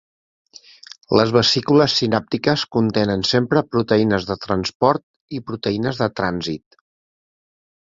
Les vesícules sinàptiques contenen sempre proteïnes de transport i proteïnes de trànsit.